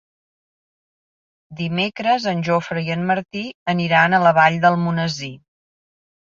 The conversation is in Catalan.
Dimecres en Jofre i en Martí aniran a la Vall d'Almonesir.